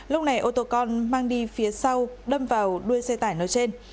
lúc này ô tô con mang đi phía sau đâm vào đuôi xe tải nói trên